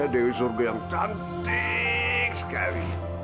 dewi surga yang cantik sekali